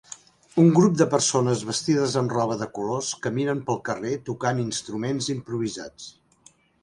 Un grup de persones vestides amb roba de colors caminen pel carrer tocant instruments improvisats.